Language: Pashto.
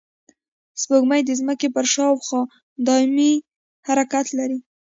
سپوږمۍ د ځمکې پر شاوخوا دایمي حرکت لري